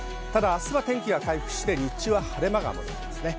明日は天気が回復して、日中は晴れ間がありそうです。